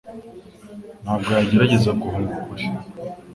Ntabwo yagerageje guhunga ukuri